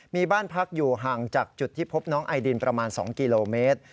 มีบ้านพักอยู่ห่างจากจุดที่พบน้องไอดินประมาณ๒กิโลเมตร